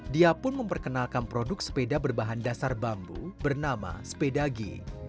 dia pun memperkenalkan produk sepeda berbahan dasar bambu bernama sepedagi